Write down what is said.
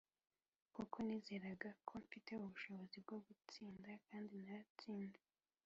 kuko nizeraga ko mfite ubushobozi bwo gutsinda kandi naratsinze.